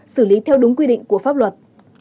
xử lý theo đúng quy định của pháp luật